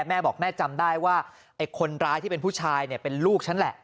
แม่บอกแม่จำได้ว่าไอ้คนร้ายที่เป็นผู้ชายเนี่ยเป็นลูกฉันแหละ